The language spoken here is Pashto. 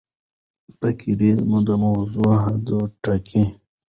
فقره د موضوع حدود ټاکي.